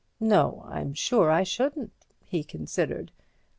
"No—I'm sure I shouldn't." He considered.